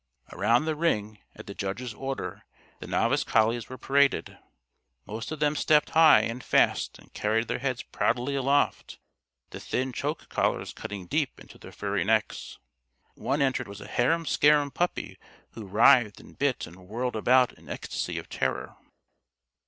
Around the ring, at the judge's order, the Novice collies were paraded. Most of them stepped high and fast and carried their heads proudly aloft the thin choke collars cutting deep into their furry necks. One entered was a harum scarum puppy who writhed and bit and whirled about in ecstasy of terror.